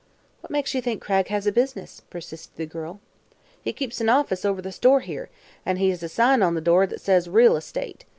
"What makes you think Cragg has a business?" persisted the girl. "He keeps an office, over the store here, an' he has a sign on the door thet says 'Real Estate.'